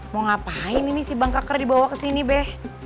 mau ngapain ini si bang keker dibawa kesini beh